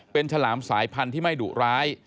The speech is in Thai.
เป็นฉลามสายพันธุ์ที่ไม่ดุร้าย